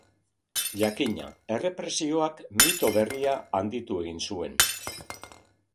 Jakina, errepresioak mito berria handitu egin zuen.